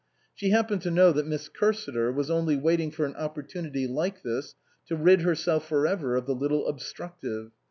She happened to know that Miss Cursiter was only waiting for an opportunity like this to rid herself for ever of the little obstructive.